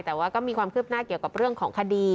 แต่ว่าก็มีความคืบหน้าเกี่ยวกับเรื่องของคดี